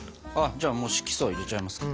じゃあ色素入れちゃいますか。